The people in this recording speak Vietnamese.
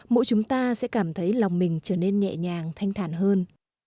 mỗi chúng ta sẽ cảm thấy lòng mình trở nên nhẹ nhàng thanh thản hơn